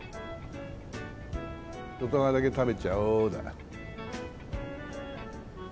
外側だけ食べちゃおうだ。